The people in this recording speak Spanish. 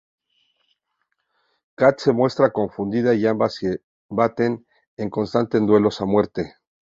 Kat se muestra confundida y ambas se baten en constantes duelos a muerte.